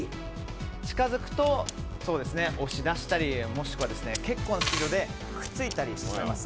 近づくと、押し出したり結構なスピードでくっついたりしちゃいます。